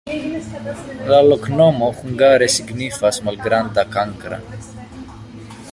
La loknomo hungare signifas: malgranda-kankra.